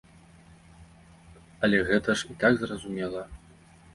Але гэта ж і так зразумела.